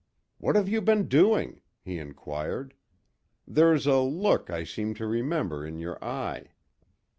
"What have you been doing?" he inquired. "There's a look I seem to remember in your eye."